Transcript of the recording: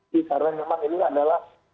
dikarenakan ini adalah